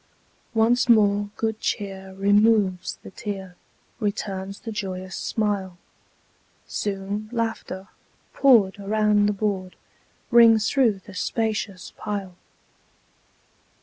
Once more good cheer removes the tear, Returns the joyous smile; Soon laughter, poured around the board, Rings through the spacious pile.